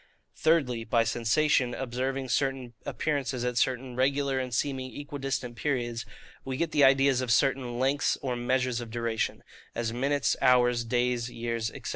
Thirdly, by sensation observing certain appearances, at certain regular and seeming equidistant periods, we get the ideas of certain LENGTHS or MEASURES OF DURATION, as minutes, hours, days, years, &c.